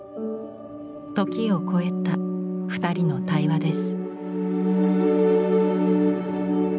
時を超えた二人の対話です。